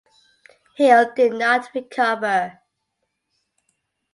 Hill did not recover.